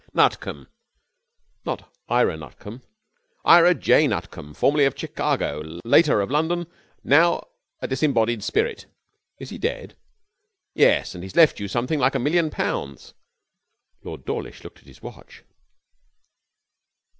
'Nutcombe.' 'Not Ira Nutcombe?' 'Ira J. Nutcombe, formerly of Chicago, later of London, now a disembodied spirit.' 'Is he dead?' 'Yes. And he's left you something like a million pounds.' Lord Dawlish looked at his watch.